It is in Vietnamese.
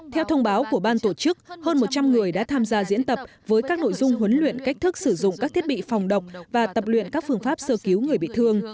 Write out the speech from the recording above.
theo thông báo của ban tổ chức hơn một trăm linh người đã tham gia diễn tập với các nội dung huấn luyện cách thức sử dụng các thiết bị phòng độc và tập luyện các phương pháp sơ cứu người bị thương